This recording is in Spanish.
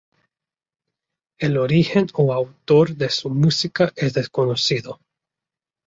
El origen o autor de su música es desconocido.